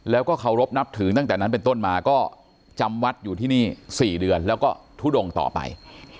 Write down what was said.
แล้วก็เคารพนับถือตั้งแต่นั้นเป็นต้นมาก็จำวัดอยู่ที่นี่๔เดือนแล้วก็ทุดงต่อไป